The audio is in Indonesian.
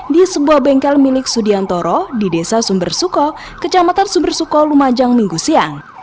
di sebuah bengkel milik sudiantoro di desa sumber suko kecamatan sumber suko lumajang minggu siang